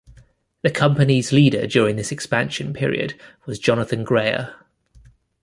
The company's leader during this expansion period was Jonathan Grayer.